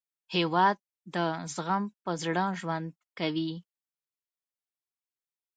هېواد د زغم په زړه ژوند کوي.